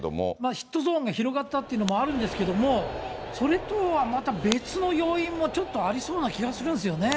ヒットゾーンが広がったというのもあるんですけども、それとはまた別の要因もちょっとありそうな気がするんですよね。